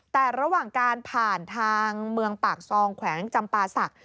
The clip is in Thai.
แต่ระหว่างการผ่านทางเมืองปากซองแขวงจำปาศักดิ์